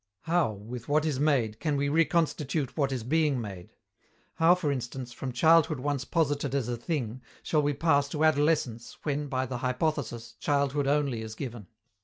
How, with what is made, can we reconstitute what is being made? How, for instance, from childhood once posited as a thing, shall we pass to adolescence, when, by the hypothesis, childhood only is given?